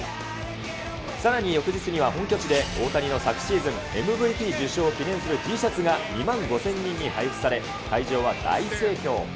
さらに翌日には、本拠地で、大谷の昨シーズンＭＶＰ受賞を記念するＴシャツが２万５０００人に配布され、会場は大盛況。